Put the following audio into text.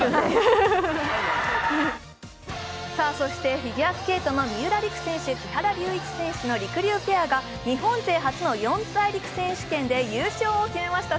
フィギュアスケートの三浦璃来選手、木原龍一選手のりくりゅうペアが日本勢初の四大陸選手権で優勝を決めました。